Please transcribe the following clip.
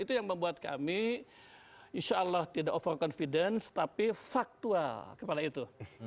itu yang membuat kami insya allah tidak over confidence tapi faktual kepada itu